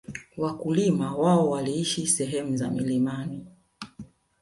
Wakulima wao waliishi sehemu za milimani